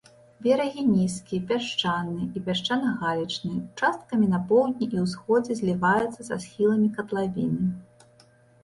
Берагі нізкія, пясчаныя і пясчана-галечныя, участкамі на поўдні і ўсходзе зліваюцца са схіламі катлавіны.